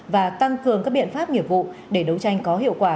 và tăng cường các biện pháp nghiệp vụ để đấu tranh có hiệu quả